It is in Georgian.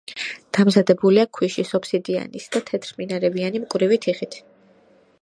დამზადებულია ქვიშის, ოფსიდიანის და თეთრმინარევიანი მკვრივი თიხით.